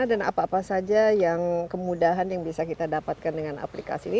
dan apa apa saja yang kemudahan yang bisa kita dapatkan dengan aplikasi ini